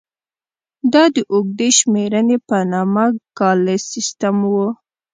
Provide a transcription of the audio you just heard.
دا د اوږدې شمېرنې په نامه کالیز سیستم و.